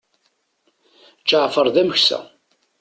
Ǧeɛfer d ameksa.